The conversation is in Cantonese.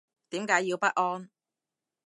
點解要不安